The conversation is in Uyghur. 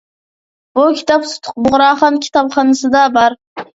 بۇ كىتاب سۇتۇق بۇغراخان كىتابخانىسىدا بار.